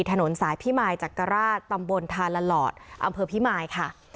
ถนนสายพิมายจักรราชตำบลทาละหลอดอำเภอพิมายค่ะ